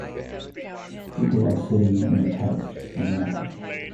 People are sitting in the couch and laughing.